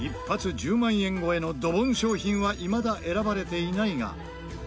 １０万円超えのドボン商品はいまだ選ばれていないが。